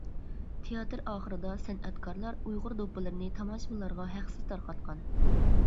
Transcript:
تىياتىر ئاخىرىدا سەنئەتكارلار ئۇيغۇر دوپپىلىرىنى تاماشىبىنلارغا ھەقسىز تارقاتقان.